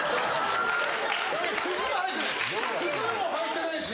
靴も履いてないし。